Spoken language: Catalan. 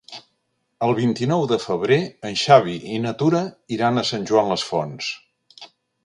El vint-i-nou de febrer en Xavi i na Tura iran a Sant Joan les Fonts.